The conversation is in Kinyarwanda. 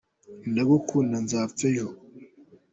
Ndagukunda nzapfa ejo!